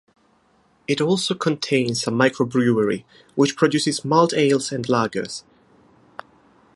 It also contains a microbrewery which produces malt ales and lagers.